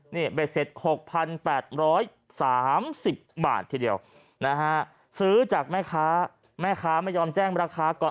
นี่เบ็ดเสร็จ๖๘๓๐บาททีเดียวนะฮะซื้อจากแม่ค้าแม่ค้าไม่ยอมแจ้งราคาก่อน